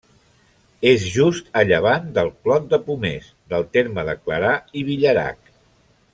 És just a llevant del Clot de Pomers, del terme de Clarà i Villerac.